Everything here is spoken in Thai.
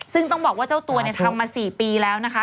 ซึ่งต้องบอกว่าเจ้าตัวทำมา๔ปีแล้วนะคะ